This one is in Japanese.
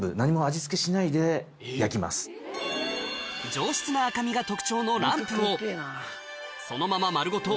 上質な赤身が特徴のランプをそのまま丸ごと